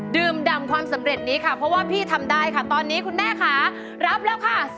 ดื่มดำความสำเร็จนี้ค่ะเพราะว่าพี่ทำได้ค่ะตอนนี้คุณแม่ค่ะรับแล้วค่ะ